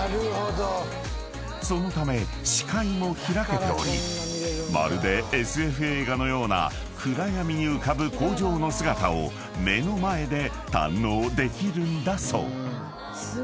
［そのため視界も開けておりまるでＳＦ映画のような暗闇に浮かぶ工場の姿を目の前で堪能できるんだそう］